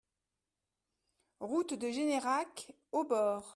Route de Générac, Aubord